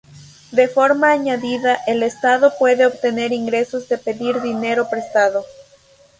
De forma añadida el Estado puede obtener ingresos de pedir dinero prestado.